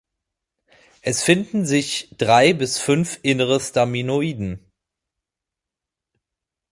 Es finden sich drei bis fünf innere Staminodien.